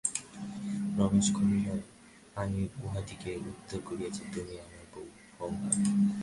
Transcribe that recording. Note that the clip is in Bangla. রমেশ কহিল, আমি উহাদিগকে উত্তর করিয়াছি, তুমি আমার কেউ হও না।